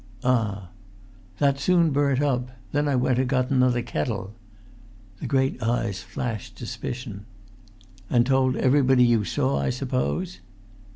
"Ah!" "That soon burnt up. Then I went and got another kettle." The great eyes flashed suspicion. "And told everybody you saw, I suppose!"